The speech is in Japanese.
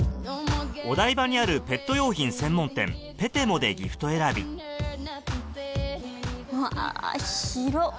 お台場にあるペット用品専門店ＰＥＴＥＭＯでギフト選びうわ広っ